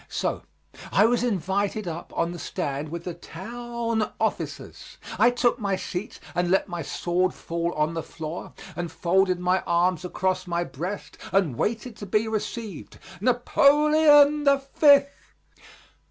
So I was invited up on the stand with the town officers. I took my seat and let my sword fall on the floor, and folded my arms across my breast and waited to be received. Napoleon the Fifth!